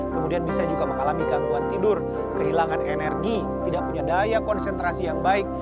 kemudian bisa juga mengalami gangguan tidur kehilangan energi tidak punya daya konsentrasi yang baik